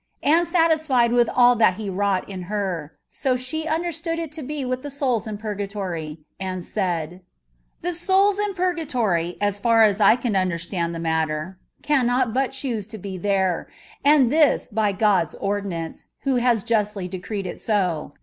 and satisfied with ali that He wrought in her, so she understood it to be with the souls in purgatory, and saìd : The souls in purgatoiy, as far as I can under stand the matter, cannot but choose to be there ; and this by God's ordinance, who has justly decreed it so.